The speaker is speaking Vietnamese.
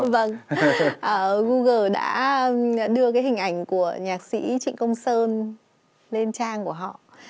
vâng google đã đưa cái hình ảnh của nhạc sĩ trịnh công sơn lên trang của họ